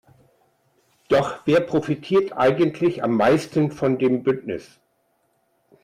Doch wer profitiert eigentlich am meisten von dem Bündnis?